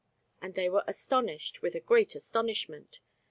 And they were astonished with a great astonishment.